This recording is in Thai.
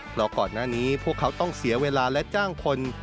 เพราะก่อนหน้านี้พวกเขาต้องเสียเวลาและจ้างคน